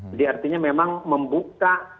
jadi artinya memang membuka